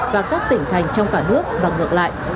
và các tỉnh thành trong cả nước và ngược lại